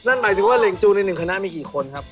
นั่นหมายถึงว่าเหล่งจูในหนึ่งคณะมีกี่คนครับ